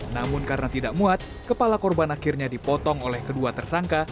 namun karena tidak muat kepala korban akhirnya dipotong oleh kedua tersangka